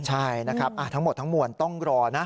ใช่นะครับทั้งหมดทั้งมวลต้องรอนะ